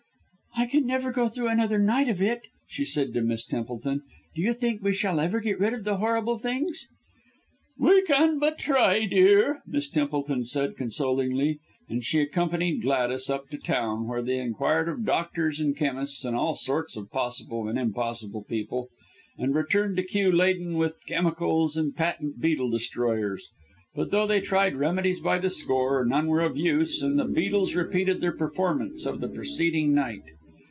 "I can never go through another night of it," she said to Miss Templeton. "Do you think we shall ever get rid of the horrible things?" "We can but try, dear!" Miss Templeton said consolingly, and she accompanied Gladys up to town, where they inquired of doctors, and chemists, and all sorts of possible and impossible people; and returned to Kew laden with chemicals, and patent beetle destroyers. But though they tried remedies by the score, none were of use, and the beetles repeated their performance of the preceding night.